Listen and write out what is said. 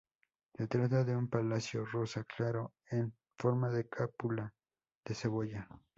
Se trata de un palacio rosa claro, en forma de cúpula de cebolla.